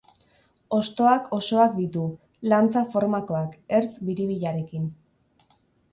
Hostoak osoak ditu, lantza formakoak, ertz biribilarekin.